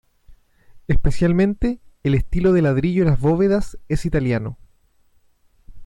Especialmente, el estilo de ladrillo en las bóvedas es italiano.